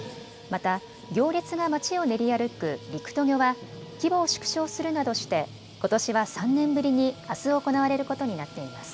また行列がまちを練り歩く陸渡御は規模を縮小するなどしてことしは３年ぶりにあす行われることになっています。